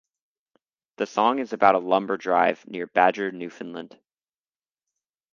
The song is about a lumber drive near Badger, Newfoundland.